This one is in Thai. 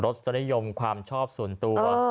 สนิยมความชอบส่วนตัว